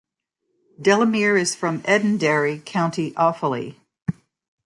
Delamere is from Edenderry, County Offaly.